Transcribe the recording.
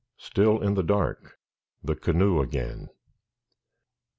STILL IN THE DARK THE CANOE AGAIN.